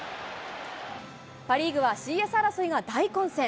パ・リーグはＣＳ争いが大混戦。